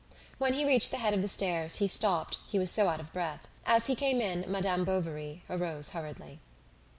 When he reached the head of the stairs, he stopped, he was so out of breath. As he came in, Madame Bovary arose hurriedly.